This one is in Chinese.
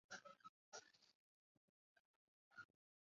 西努沙登加拉省。